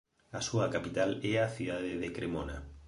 A súa capital é a cidade de Cremona.